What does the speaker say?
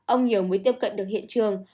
ông nhiều mới tiếp cận được hiện trường